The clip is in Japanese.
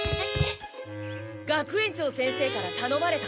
学園長先生からたのまれたおつかいだ。